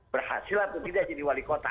berhasil atau tidak jadi wali kota